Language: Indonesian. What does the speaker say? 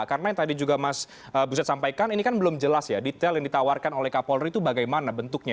karena yang tadi juga mas buset sampaikan ini kan belum jelas ya detail yang ditawarkan oleh kapolri itu bagaimana bentuknya